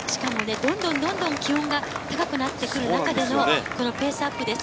どんどん気温が高くなってくる中でのペースアップです。